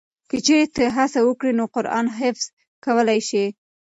که چېرې ته هڅه وکړې نو قرآن حفظ کولی شې.